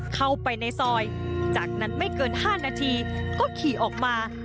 เข้าไปในซอยจากนั้นไม่เกิน๕นาทีก็ขี่ออกมา